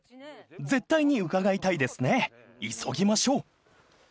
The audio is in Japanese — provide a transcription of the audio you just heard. ［絶対に伺いたいですね急ぎましょう］